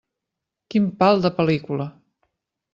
Quin pal de pel·lícula.